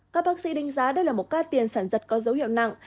các bác sĩ đánh giá đây là một ca tiền sản giật có dấu hiệu nặng